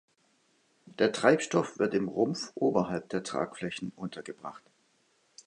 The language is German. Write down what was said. Der Treibstoff wird im Rumpf oberhalb der Tragflächen untergebracht.